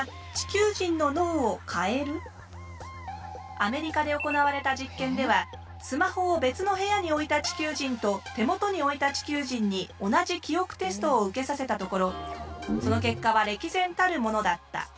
アメリカで行われた実験ではスマホを別の部屋に置いた地球人と手元に置いた地球人に同じ記憶テストを受けさせたところその結果は歴然たるものだった。